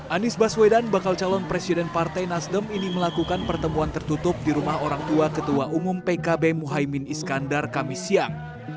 anies baswedan bakal calon presiden partai nasdem ini melakukan pertemuan tertutup di rumah orang tua ketua umum pkb muhaymin iskandar kamis siang